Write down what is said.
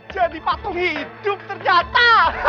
jadi patung hidup ternyata